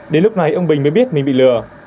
đến lúc này ông bình mới biết mình bị lừa